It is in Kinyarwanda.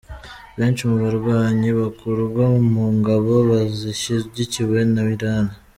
Benshi mu barwanyi bakurwa mu ngabo zishyigikiwe na Irani.